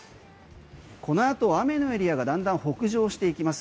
このあと雨のエリアがだんだん北上していきます。